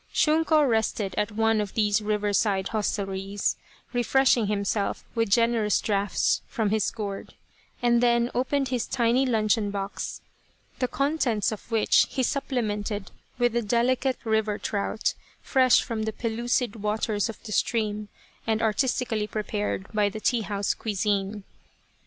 Shunko rested at one of these river side hostelries, refreshing himself with generous draughts from his gourd, and then opened his tiny luncheon box, the contents of which he supplemented with the delicate river trout, fresh from the pellucid waters of the stream and artistically prepared by the tea house cuisine.